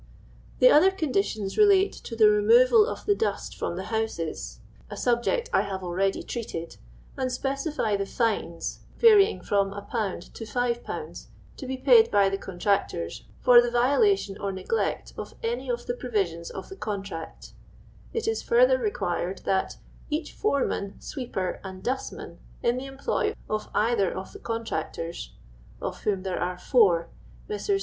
The other conditions relate to the removal of the dust from the houses (a subject I have already treated), and specify the fines, varying from 1/. to 5/., to be paid by the contractors, for the violation or neglect of any of the provisions of the contract It is further required that " Each Foreman, Sweeper, and Dustman, in the employ of either of the Contractors," (of whom there arc four, Messrs.